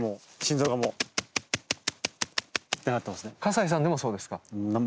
西さんでもそうですか？